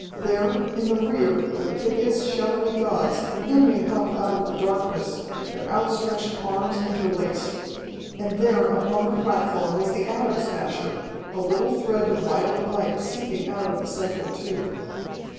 There, in the rear, were the hideous, shadowy gods, looming up out of the darkness, their outstretched arms interlaced. And there upon the platform was the Atom Smasher, a little thread of violet light seeping out of the central tube.